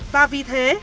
và vì thế